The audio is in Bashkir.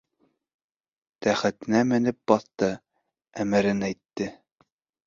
Тәхетенә менеп баҫты, әмерен әйтте: